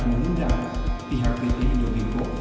mengundang pihak bik indobinko